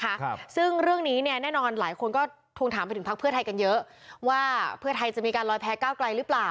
ครับซึ่งเรื่องนี้เนี่ยแน่นอนหลายคนก็ทวงถามไปถึงพักเพื่อไทยกันเยอะว่าเพื่อไทยจะมีการลอยแพ้ก้าวไกลหรือเปล่า